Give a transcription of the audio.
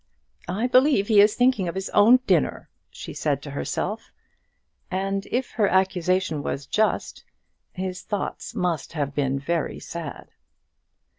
"I believe he is thinking of his own dinner!" she said to herself. If her accusation was just his thoughts must have been very sad.